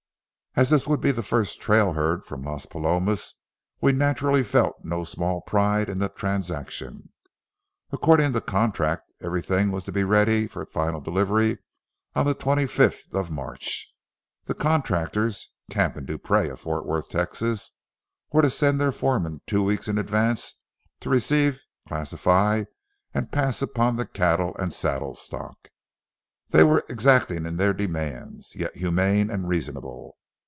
As this would be the first trail herd from Las Palomas, we naturally felt no small pride in the transaction. According to contract, everything was to be ready for final delivery on the twenty fifth of March. The contractors, Camp & Dupree, of Fort Worth, Texas, were to send their foreman two weeks in advance to receive, classify, and pass upon the cattle and saddle stock. They were exacting in their demands, yet humane and reasonable.